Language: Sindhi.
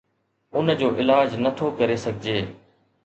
ان جو علاج نه ٿو ڪري سگهجي